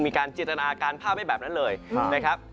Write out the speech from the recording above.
การจินตนาการภาพไว้แบบนั้นเลยนะครับ